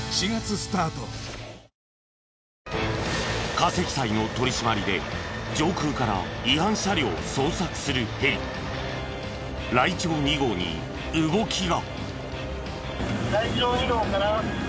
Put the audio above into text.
過積載の取り締まりで上空から違反車両を捜索するヘリらいちょうⅡ号に動きが。